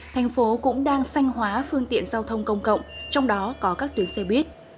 thành phố cũng đang xanh hóa phương tiện giao thông công cộng trong đó có các tuyến xe buýt